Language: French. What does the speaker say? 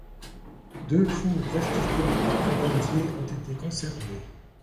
Deux fours verticaux à alandiers ont été conservés.